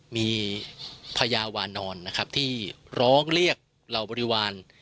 มีพญาวานอนนะครับที่ร้องเรียกเหล่าบริวาร